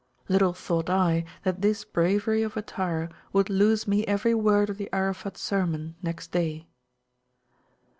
Little thought I that this bravery of attire would lose me every word of the Arafat sermon next day.